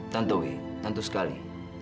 tentu wi tentu sekali